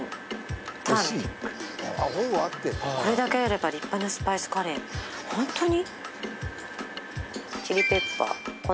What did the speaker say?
これだけあれば立派なスパイスカレーにホントに？